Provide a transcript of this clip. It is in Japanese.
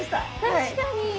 確かに。